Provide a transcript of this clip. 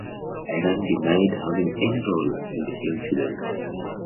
Iran denied having any role in the incident.